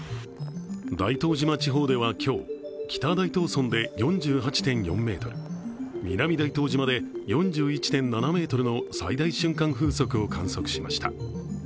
大東島地方では今日北大東村で４８．４メートル、南大東島で４１．７メートルの最大瞬間風速を観測しました。